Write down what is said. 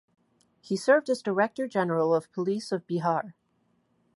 He served as Director General of Police of Bihar.